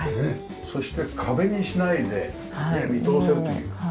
そして壁にしないで見通せるという。